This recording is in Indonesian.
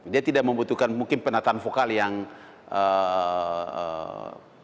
dia tidak membutuhkan mungkin perbelajaran dan kemudian jadi